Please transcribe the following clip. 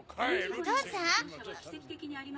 お父さんあ。